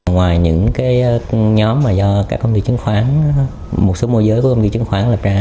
ngoài những nhóm do một số môi giới của công ty chứng khoán lập ra